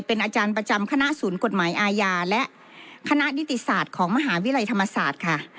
เป็นอาจารย์ประจำคณะศูนย์กฎหมายอาญาและคณะนิติศาสตร์ของมหาวิทยาลัยธรรมศาสตร์ค่ะ